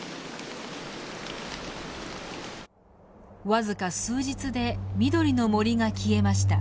わずか数日で緑の森が消えました。